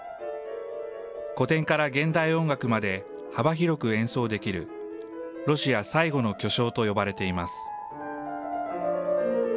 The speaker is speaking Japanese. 古典から現代音楽まで幅広く演奏できる、ロシア最後の巨匠と呼ばれています。